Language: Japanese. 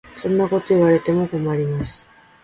そんなこと言われても困ります。